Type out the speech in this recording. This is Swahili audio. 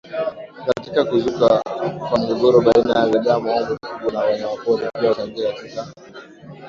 katika kuzuka kwa migogoro baina ya binadamu au mifugo na wanyamapori pia huchangia katika